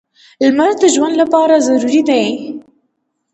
• لمر د ژوند لپاره ضروري دی.